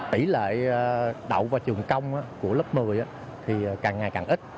tỷ lệ đậu vào trường công của lớp một mươi thì càng ngày càng ít